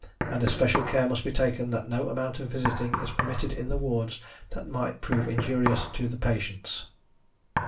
And especial care must be taken that no amount of visiting is permitted in the wards that might prove injurious to the patients.